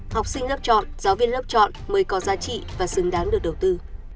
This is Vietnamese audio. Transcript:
học sinh lớp chọn giáo viên lớp chọn mới có giá trị và xứng đáng được đầu tư